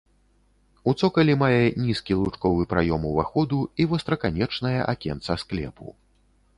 У цокалі мае нізкі лучковы праём уваходу і востраканечнае акенца склепу.